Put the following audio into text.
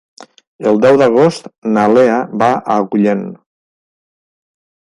El deu d'agost na Lea va a Agullent.